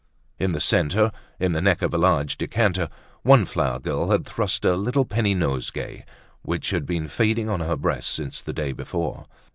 In the centre, in the neck of a large decanter, one flower girl had thrust a little penny nosegay which had been fading on her breast since the day before.